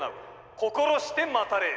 心して待たれよ」。